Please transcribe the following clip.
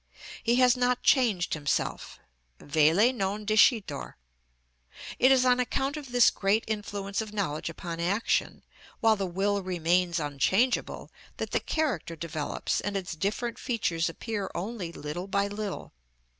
He has not changed himself: velle non discitur. It is on account of this great influence of knowledge upon action, while the will remains unchangeable, that the character develops and its different features appear only little by little.